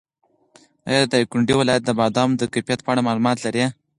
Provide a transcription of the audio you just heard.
ایا د دایکنډي ولایت د بادامو د کیفیت په اړه معلومات لرې؟